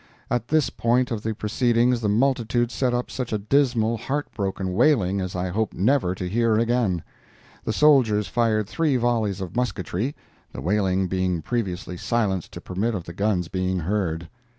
At this point of the proceedings the multitude set up such a dismal, heart broken wailing as I hope never to hear again. The soldiers fired three volleys of musketry—the wailing being previously silenced to permit of the guns being heard.